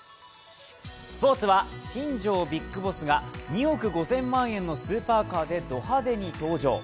スポーツは新庄ＢＩＧＢＯＳＳが２億５０００万円のスーパーカーでド派手に登場。